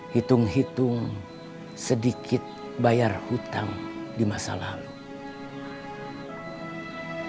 hitung hitung sedikit bayar hutang di masa lalu